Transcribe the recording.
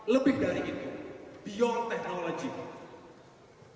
lebih dari itu beyond technology